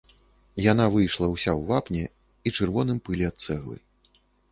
Яна выйшла ўся ў вапне і чырвоным пыле ад цэглы.